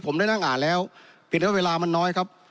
ผมได้นั่งอ่านแล้วผิดระยะเวลามันน้อยครับ